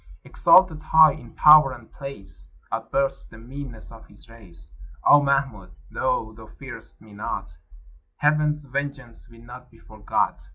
' Exalted high in power and place, ' Outbursts the meanness of his race. ' "Oh, Mahmud, though thou fear'st me not, Heaven's vengeance will not be forgot.